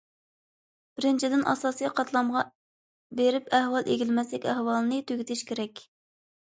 بىرىنچىدىن، ئاساسىي قاتلامغا بېرىپ ئەھۋال ئىگىلىمەسلىك ئەھۋالىنى تۈگىتىش كېرەك.